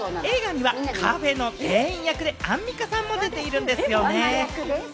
映画にはカフェの店員役でアンミカさんも出ているんですよね？